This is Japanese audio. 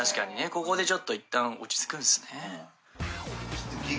ここでちょっといったん落ち着くんすね。